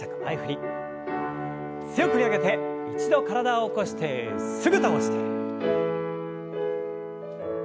強く振り上げて一度体を起こしてすぐ倒して。